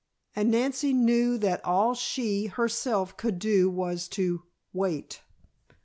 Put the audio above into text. And Nancy knew that all she, herself, could do was to wait!